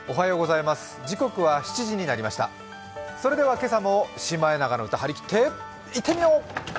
それでは今朝も「シマエナガの歌」、張り切っていってみよう！